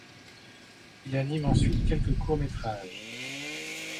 Il anime ensuite quelques courts métrages.